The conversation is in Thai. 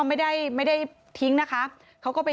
ไม่ได้ทิ้งเค้าก็ไป